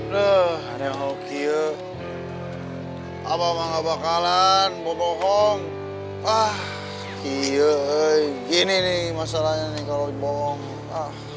duh ada yang mau kio abah mah gak bakalan mau bohong ah kio gini nih masalahnya nih kalo bohong ah